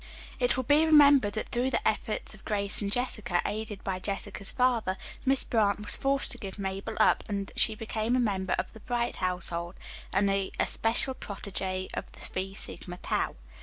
It will be remembered that through the efforts of Grace and Jessica, aided by Jessica's father, Miss Brant was forced to give Mabel up, and she became a member of the Bright household, and the especial protegee of the Phi Sigma Tau.